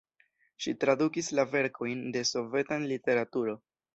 Ŝi tradukis la verkojn de sovetan literaturo.